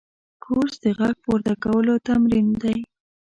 کورس د غږ پورته کولو تمرین دی.